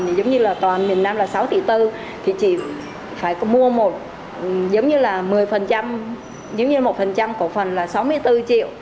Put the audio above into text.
thì giống như là toàn miền nam là sáu tỷ tư thì chị phải mua một giống như là một mươi giống như là một cổ phần là sáu mươi bốn triệu